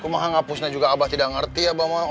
kok mahal hapusnya juga abah tidak ngerti abah mahal